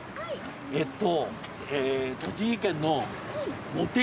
えっと。